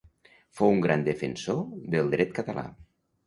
Fou un gran defensor del dret català.